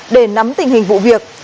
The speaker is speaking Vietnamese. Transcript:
để nắm tình hình vụ việc